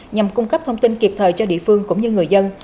nhằm cung cấp thông tin kịp thời cho địa phương cũng như người dân